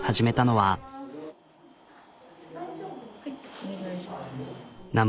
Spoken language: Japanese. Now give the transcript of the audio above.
はいお願いします。